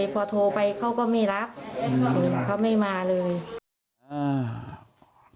พอโทรไปเขาก็ไม่รับเขาไม่มาเลยอ่า